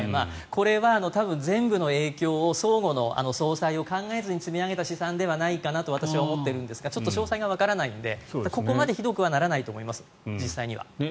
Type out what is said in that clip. これは多分、全部影響を相互の影響を考えずに積み上げた試算ではないかと思っているんですがちょっと詳細がわからないのでここまでひどくはならないと思います。